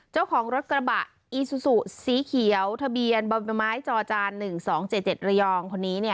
เจ้าของรถกระบะอีซูซุสีเขียวทะเบียนบำไม้จอจาน๑๒๗๗ระยอง